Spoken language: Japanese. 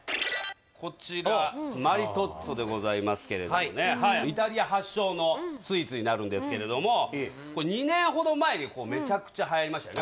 こちらマリトッツォでございますけれどもねイタリア発祥のスイーツになるんですけれども２年ほど前にめちゃくちゃはやりましたよね